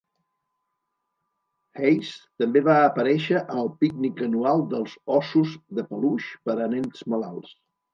Hayes també va aparèixer al pícnic anual dels óssos de peluix per a nens malalts.